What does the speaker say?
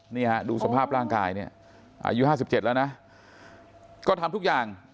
นี่ฮะดูสภาพร่างกายเนี่ยอายุ๕๗แล้วนะก็ทำทุกอย่าง